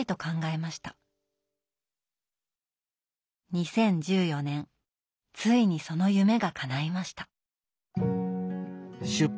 ２０１４年ついにその夢がかないました。